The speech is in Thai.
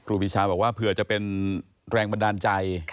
ปีชาบอกว่าเผื่อจะเป็นแรงบันดาลใจ